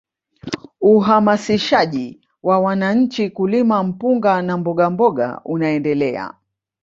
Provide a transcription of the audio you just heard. Uhamasishaji wa wananchi kulima mpunga na mbogamboga unaendelea